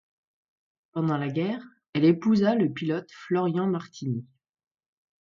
Pendant la guerre, elle épousa le pilote Florian Martini.